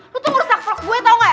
lo tuh ngerusak vlog gue tau gak